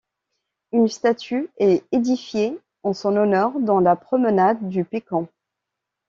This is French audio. Une statue est édifiée en son honneur dans la promenade du Picon.